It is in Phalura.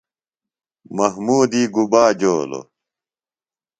محمودی گُبا جولوۡ ؟